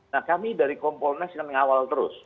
nah kami dari kompol nes akan mengawal terus